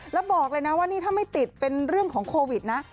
แล้วบอกเลยนะว่านี่ถ้าไม่ติดเป็นเรื่องของโควิดนะ